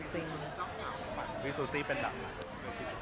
มีชุดที่จะจ้องสง่าเมื่อมีวิสุสี่เป็นเหมือนไร